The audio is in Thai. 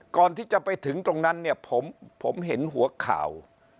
ก่อนที่จะไปถึงตรงนั้นเนี่ยผมเห็นหัวข่าว